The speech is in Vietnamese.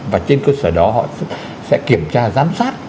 và trên cơ sở đó họ sẽ kiểm tra giám sát